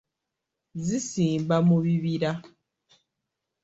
Zisimba mu bibira.